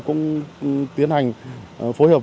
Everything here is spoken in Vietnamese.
cũng tiến hành phối hợp